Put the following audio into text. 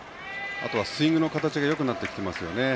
あとはスイングの形がよくなってきますよね。